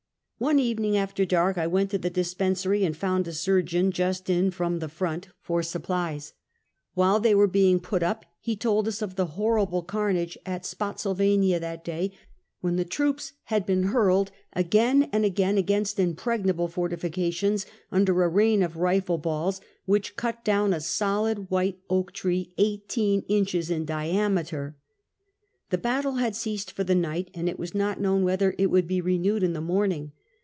One evening, after dark, I went to the dispensary, and found a surgeon just in from the front for sup 330 Half a Oenturt. plies. While they were being put up, he told us of the horrible carnage at Spottsjlvania that day, when the troops had been hurled, again and again, against impregnable fortifications, under a rain of rifle balls, which cut down a solid white oak tree, eighteen inches in diameter. The battle had ceased for the night, and it was not known whether it would be renewed in the morning.